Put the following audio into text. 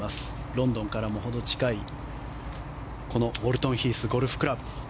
ロンドンからも程近いウォルトンヒースゴルフクラブ。